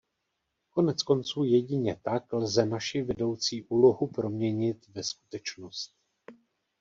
Koneckonců jedině tak lze naši vedoucí úlohu proměnit ve skutečnost.